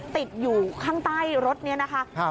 ติดอยู่ข้างใต้รถนี้นะคะ